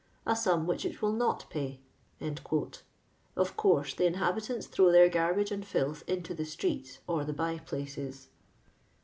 a sum which it will not pay." Of course the inhabitants throw their garbage and filth into the streetor the by places.